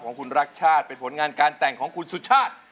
ของคุณรักชาติเป็นผลงานการแต่งของคุณสุชาติ